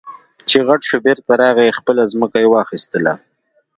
چې غټ شو بېرته راغی خپله ځمکه يې واخېستله.